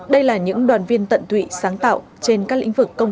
đây là những đoàn viên tận tụy sáng tạo trên các lĩnh vực công